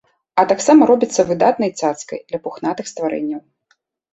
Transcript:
А таксама робіцца выдатнай цацкай для пухнатых стварэнняў.